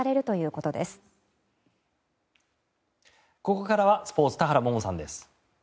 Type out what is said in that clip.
ここからはスポーツ田原萌々さんです。